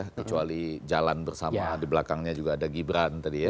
kecuali jalan bersama di belakangnya juga ada gibran tadi ya